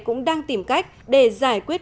cũng đang tìm cách để giải quyết